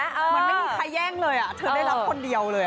ไม่มีใครแย่งเลยอ่ะเธอได้รับคนเดียวเลยอ่ะ